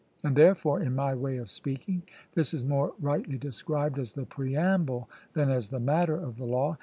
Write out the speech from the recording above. And therefore, in my way of speaking, this is more rightly described as the preamble than as the matter of the law.